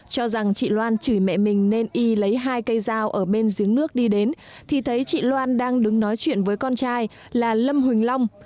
cho rằng chị loan chửi mẹ mình nên y lấy hai cây dao ở bên giếng nước đi đến thì thấy chị loan đang đứng nói chuyện với con trai là lâm huỳnh long